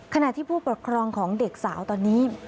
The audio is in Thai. ขณะที่ผู้ปกครองของเด็กสาวตอนนี้